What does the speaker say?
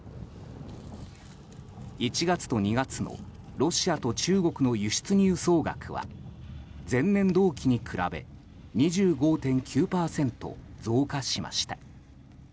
１月と２月のロシアと中国の輸出入総額は前年同期に比べ２５．９％増加しました。